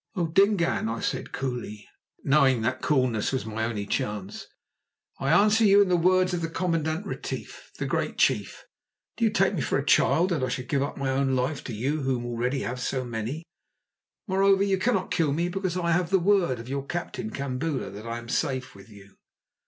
"O Dingaan," I said coolly, knowing that coolness was my only chance, "I answer you in the words of the Commandant Retief, the great chief. Do you take me for a child that I should give up my own wife to you who already have so many? Moreover, you cannot kill me because I have the word of your captain, Kambula, that I am safe with you."